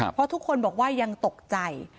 เพราะทุกคนบอกว่ายังตกใจ